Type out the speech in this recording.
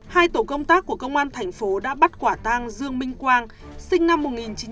hai tổ công tác của công an thành phố đã bắt quả tang dương minh quang sinh năm một nghìn chín trăm tám mươi